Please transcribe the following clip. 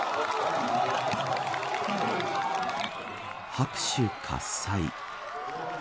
拍手喝采。